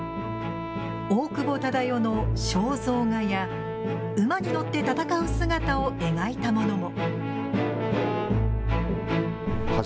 大久保忠世の肖像画や馬に乗って戦う姿を描いたものも。